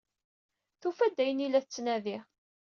Tufa-d ayen ay tella tettnadi.